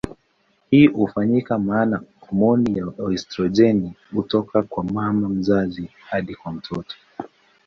Hii hufanyika maana homoni ya estrojeni hutoka kwa mama mzazi hadi kwa mtoto.